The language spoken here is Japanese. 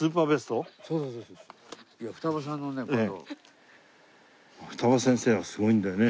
二葉先生はすごいんだよね。